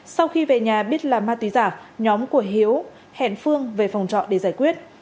sau khi về nhà biết là ma túy giả nhóm của hiếu hẹn phương về phòng trọ để giải quyết